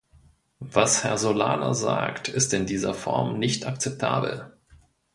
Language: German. Was Herr Solana sagt, ist in dieser Form nicht akzeptabel.